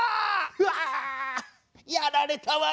「うわ！やられたわい」。